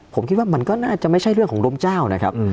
ผมคิดว่ามันก็น่าจะไม่ใช่เรื่องของรุมเจ้านะครับ